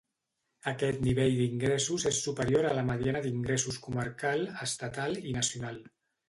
Aquest nivell d'ingressos és superior a la mediana d'ingressos comarcal, estatal i nacional.